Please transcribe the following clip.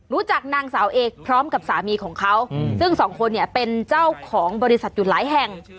รู้จักนางสาวเอกพร้อมกับสามีของเขาซึ่งสองคนเนี่ยเป็นเจ้าของบริษัทอยู่หลายแห่ง